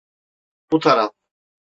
Bu taraf.